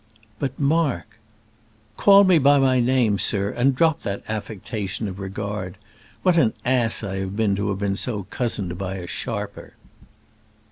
"But, Mark " "Call me by my name, sir, and drop that affectation of regard. What an ass I have been to be so cozened by a sharper!"